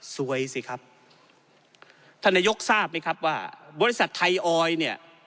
สวยสิครับท่านนายกทราบไหมครับว่าบริษัทไทยออยเนี่ย